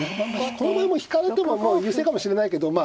この場合もう引かれてももう優勢かもしれないけどま